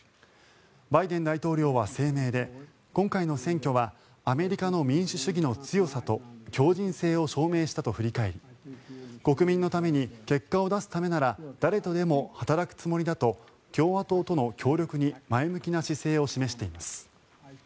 バイデン大統領は声明で今回の選挙はアメリカの民主主義の強さと強じん性を証明したと振り返り国民のために結果を出すためなら誰とでも働くつもりだと共和党との協力に前向きな姿勢を示しています。